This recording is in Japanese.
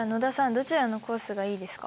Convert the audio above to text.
どちらのコースがいいですか？